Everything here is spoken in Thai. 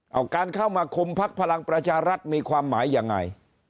เอาการเข้ามาคุมพักพลังประชารัฐมีความหมายยังไง